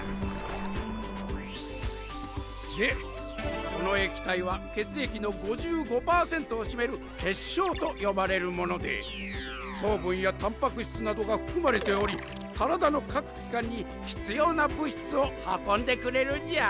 でこの液体は血液の５５パーセントを占める血漿と呼ばれるもので糖分やタンパク質などが含まれており体の各機関に必要な物質を運んでくれるんじゃ。